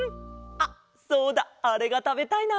あっそうだあれがたべたいな。